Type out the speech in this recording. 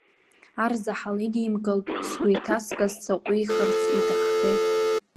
Арзаҳал идимкылт, сгәы иҭаскыз саҟәихырц иҭаххеит.